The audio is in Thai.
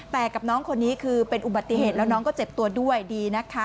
แต่กับน้องคนนี้คือเป็นอุบัติเหตุแล้วน้องก็เจ็บตัวด้วยดีนะคะ